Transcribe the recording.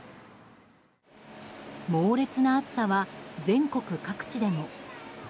猛烈な暑さは全国各地でも。